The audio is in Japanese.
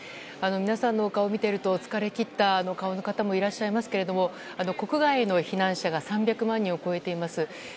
皆さんのお顔を見ていると疲れ切った顔の方もいらっしゃいますけども国外への避難者が３００万人を超えています。